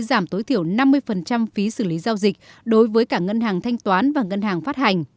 giảm tối thiểu năm mươi phí xử lý giao dịch đối với cả ngân hàng thanh toán và ngân hàng phát hành